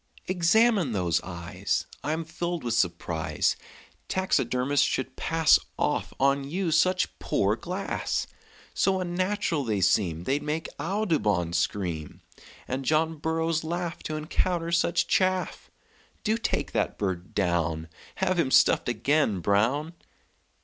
"Examine those eyes. I'm filled with surprise Taxidermists should pass Off on you such poor glass; So unnatural they seem They'd make Audubon scream, And John Burroughs laugh To encounter such chaff. Do take that bird down; Have him stuffed again, Brown!"